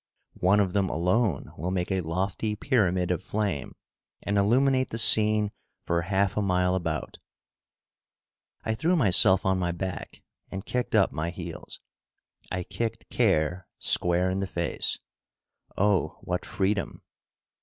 One of them alone will make a lofty pyramid of flame and illuminate the scene for half a mile about. I threw myself on my back and kicked up my heels. I kicked care square in the face. Oh, what freedom!